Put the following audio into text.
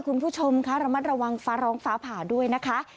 คุณผู้ชมคะระมัดระวังฟ้าร้องฟ้าผ่าด้วยนะคะ